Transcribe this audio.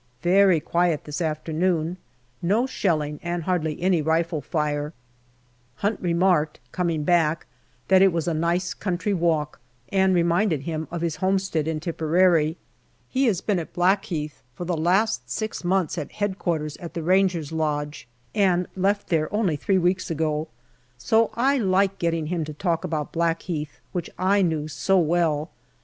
Very quiet this afternoon ; no shelling, and hardly any rifle fire. Hunt remarked, coming back, that it was a nice 260 GALLIPOLI DIARY country walk, and reminded him of his homestead in Tipperary. He has been at Blackheath for the last six months at Headquarters at the Ranger's Lodge, and left there only three weeks ago, so I like getting him to talk about Blackheath, which I knew so well.